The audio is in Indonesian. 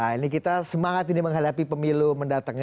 ini kita semangat didemenghalapi pemilu mendatangnya